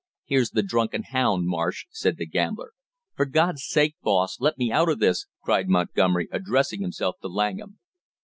"Here's the drunken hound, Marsh!" said the gambler. "For God's sake, boss, let me out of this!" cried Montgomery, addressing himself to Langham.